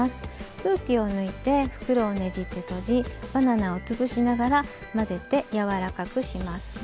空気を抜いて袋をねじって閉じバナナをつぶしながら混ぜてやわらかくします。